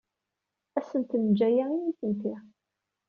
Ad asent-neǧǧ aya i nitenti.